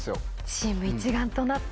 チーム一丸となって。